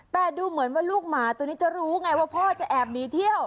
แต่ดูเหมือนว่าลูกหมาตัวนี้จะรู้ไงว่าพ่อจะแอบหนีเที่ยว